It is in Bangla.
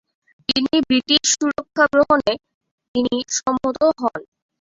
তিনি ব্রিটিশ সুরক্ষা গ্রহণে তিনি সম্মত হন।